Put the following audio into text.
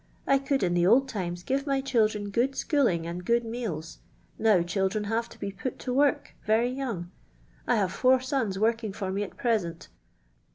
I could in the old times give my children good schooling and good meals. Now children have to be put to wt»rk very young. 1 have four sons working for me at present.